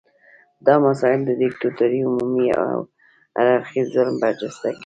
دا مسایل د دیکتاتورۍ عمومي او هر اړخیز ظلم برجسته کوي.